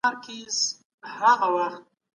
مسلکي کسان ټولنې ته ګټه رسوي.